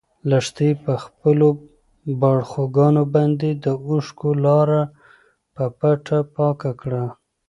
لښتې په خپلو باړخوګانو باندې د اوښکو لاره په پټه پاکه کړه.